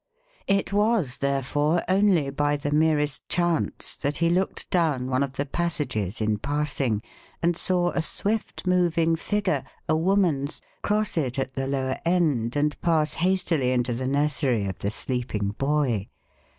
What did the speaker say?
It was, therefore, only by the merest chance that he looked down one of the passages in passing and saw a swift moving figure a woman's cross it at the lower end and pass hastily into the nursery of the sleeping boy.